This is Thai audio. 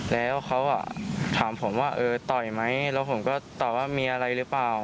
แล้วเขาถามผมว่าเออต่อยไหมแล้วผมก็ตอบว่ามีอะไรหรือเปล่า